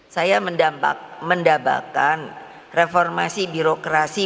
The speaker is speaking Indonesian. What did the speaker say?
saya mendapatkan reformasi birokrasi berbasis